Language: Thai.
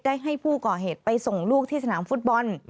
ให้ผู้ก่อเหตุไปส่งลูกที่สนามฟุตบอล